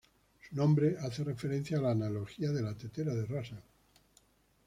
Su nombre hace referencia a la analogía de la tetera de Russell.